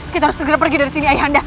kita harus segera pergi dari sini ayah anda